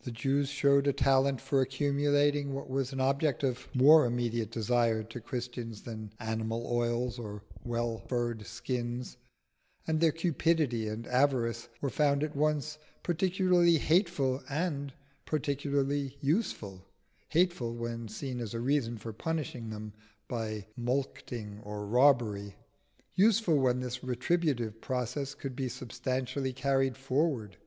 The Jews showed a talent for accumulating what was an object of more immediate desire to Christians than animal oils or well furred skins, and their cupidity and avarice were found at once particularly hateful and particularly useful: hateful when seen as a reason for punishing them by mulcting or robbery, useful when this retributive process could be successfully carried forward.